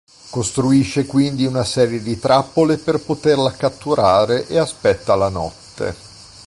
Costruisce quindi una serie di trappole per poterla catturare e aspetta la notte.